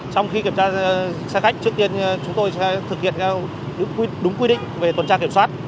trong khi kiểm tra xe khách trước tiên chúng tôi sẽ thực hiện theo đúng quy định về tuần tra kiểm soát